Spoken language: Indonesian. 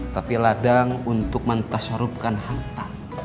tapi ladang untuk mentasharupkan harta